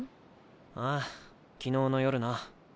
ああ昨日の夜な。